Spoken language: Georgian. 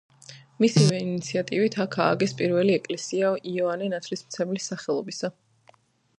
მისივე ინიციატივით აქ ააგეს პირველი ეკლესია იოანე ნათლისმცემლის სახელობისა.